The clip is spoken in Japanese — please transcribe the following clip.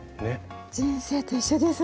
人生と一緒ですね